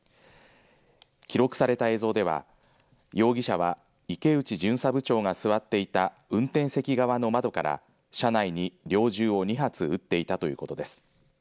記録された映像では容疑者は池内巡査部長が座っていた運転席側の窓から車内に猟銃を２発撃っていたということです。